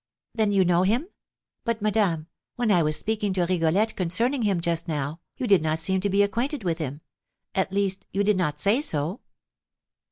"Then you know him? But, madame, when I was speaking to Rigolette concerning him just now, you did not seem to be acquainted with him; at least, you did not say so."